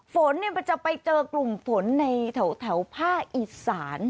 ฝนมันจะไปเจอกลุ่มฝนในแถวภาคอีสาน